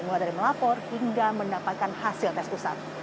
mulai dari melapor hingga mendapatkan hasil tes usap